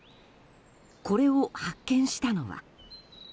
これを発見したのは。